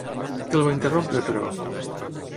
Què el va interrompre, però?